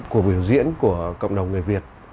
cuộc biểu diễn của cộng đồng người việt